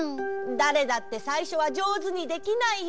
だれだってさいしょはじょうずにできないよ。